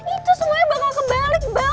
itu semuanya bakal kebalik bel